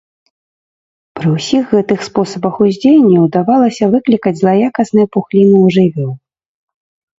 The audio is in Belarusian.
Пры ўсіх гэтых спосабах ўздзеяння ўдавалася выклікаць злаякасныя пухліны ў жывёл.